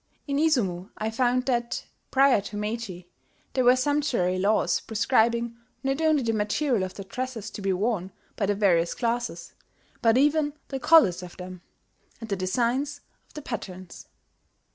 In Izumo I found that, prior to Meiji, there were sumptuary laws prescribing not only the material of the dresses to be worn by the various classes, but even the colours of them, and the designs of the patterns.